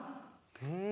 うん。